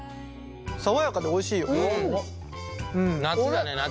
爽やかでおいしいよ。夏だね夏。